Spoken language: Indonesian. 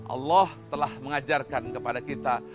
allah telah mengajarkan kepada kita